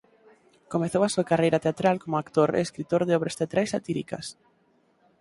Comezou a súa carreira teatral como actor e escritor de obras teatrais satíricas.